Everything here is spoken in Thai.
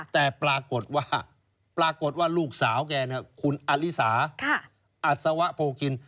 แต่ปรากฏว่าลูกสาวแกคุณอลิสาอัศวะโพกิน